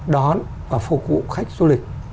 đón và phục vụ khách du lịch